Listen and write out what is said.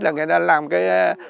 là người ta làm cái